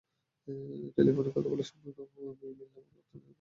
টেলিফোনে কথা বলার সময় বিল নামক অর্থনৈতিক ব্যাপারটা ব্রেনে ঘুরপাক খায়।